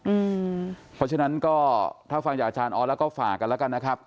เพราะฉะนั้นก็ถ้าฟังจากอาจารย์ออสแล้วก็ฝากกันแล้วกันนะครับ